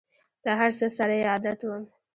له هر څه سره یې عادت وم !